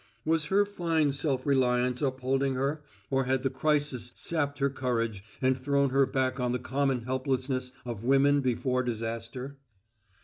Was her fine self reliance upholding her, or had the crisis sapped her courage and thrown her back on the common helplessness of women before disaster?